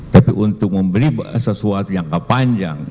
tapi untuk membeli sesuatu yang kepanjang